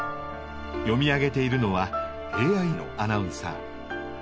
読み上げているのはＡＩのアナウンサー。